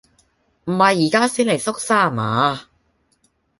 唔係而家先嚟縮沙呀嘛？